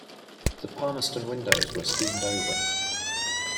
The Palmerston windows were steamed over.